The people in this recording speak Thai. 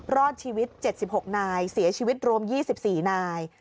รอดชีวิต๗๖นายเสียชีวิตรวม๒๔นาย